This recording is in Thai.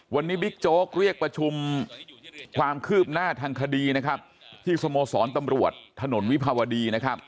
วันนี้บิ๊กโจ๊กเรียกประชุมความคืบหน้าทางคดีนะครับที่สโมสรตำรวจถนนวิภาวดีนะครับ